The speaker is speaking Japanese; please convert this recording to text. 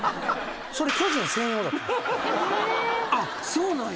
そうなんや。